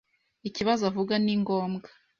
Ikibazo avuga ni ngombwa.